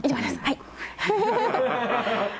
はい。